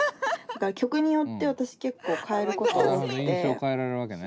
だから曲によって私結構変えること多くて。